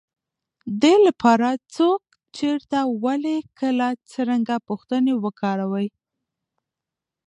دې لپاره، څوک، چېرته، ولې، کله او څرنګه پوښتنې وکاروئ.